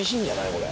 これ。